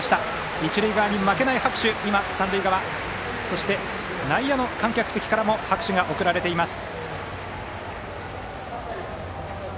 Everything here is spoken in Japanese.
一塁側に負けない拍手が三塁側そして、内野の観客席からも拍手が送られています。